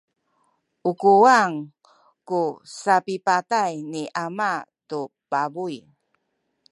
u kuwang ku sapipatay ni ama tu pabuy.